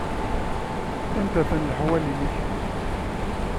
Anda-ten leḥwal-nnek?